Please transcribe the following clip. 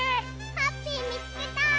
ハッピーみつけた！